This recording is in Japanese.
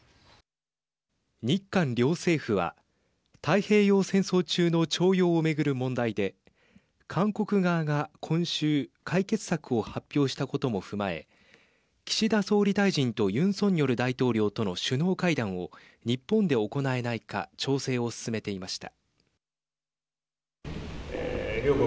日韓両政府は太平洋戦争中の徴用を巡る問題で韓国側が今週、解決策を発表したことも踏まえ岸田総理大臣とユン・ソンニョル大統領との首脳会談を日本で行えないか調整を進めていました。